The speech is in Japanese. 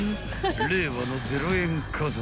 令和の０円家族］